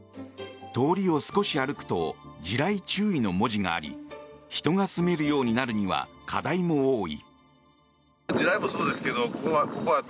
通りを少し歩くと「地雷注意」の文字があり人が住めるようになるには課題も多い。